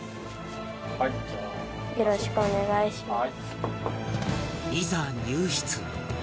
よろしくお願いします。